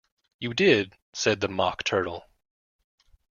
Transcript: ‘You did,’ said the Mock Turtle.